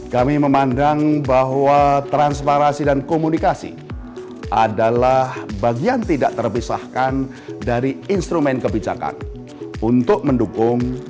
kami memandang bahwa transparasi dan komunikasi adalah bagian tidak terpisahkan dari instrumen kepentingan